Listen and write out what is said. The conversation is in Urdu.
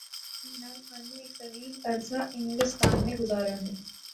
عمران خان نے ایک طویل عرصہ انگلستان میں گزارا ہے۔